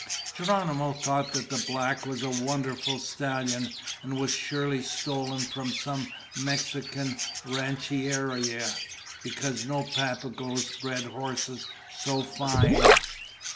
Geronimo thought that the black was a wonderful stallion and was surely stolen from some Mexican rancheria because no Papagoes bred horses so fine.